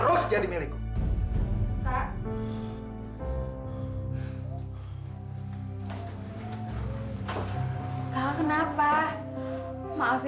walaupun cendawan cendawan emas itu tumbuh di ladang kami